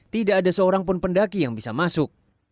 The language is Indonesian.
tidak ada seorang pun pendaki yang bisa masuk